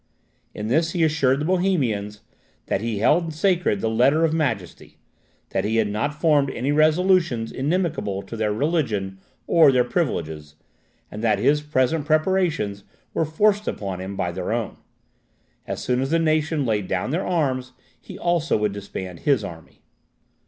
In this he assured the Bohemians, "that he held sacred the Letter of Majesty that he had not formed any resolutions inimical to their religion or their privileges, and that his present preparations were forced upon him by their own. As soon as the nation laid down their arms, he also would disband his army."